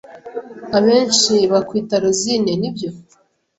Abenshi bakwita Rosine, ni byo